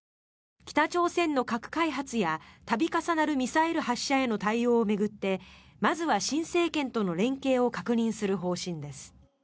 北朝鮮の核開発や度重なるミサイル発射への対応を巡ってまずは新政権との連携を確認する方針です。